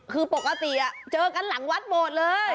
คือปกติเจอกันหลังวัดโบสถ์เลย